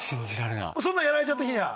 そんなのやられちゃった日には。